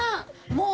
もう！